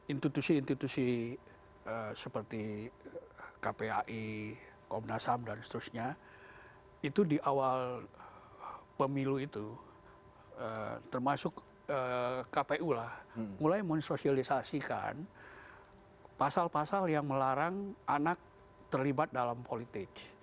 intitusi intitusi seperti kpai komnasam dan seterusnya itu di awal pemilu itu termasuk kpu lah mulai mensosialisasikan pasal pasal yang melarang anak terlibat dalam politik